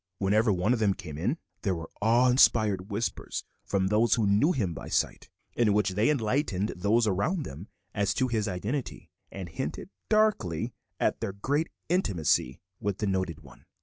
Whenever one of them came in, there were awe inspired whispers from those who knew him by sight, in which they enlightened those around them as to his identity, and hinted darkly at their great intimacy with the noted one.